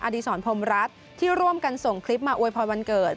ดีศรพรมรัฐที่ร่วมกันส่งคลิปมาอวยพรวันเกิด